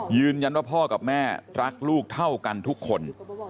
ยืนยันว่าพ่อกับแม่รักลูกเท่ากันทุกคน